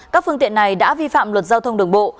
các phương tiện này đã vi phạm luật giao thông đường bộ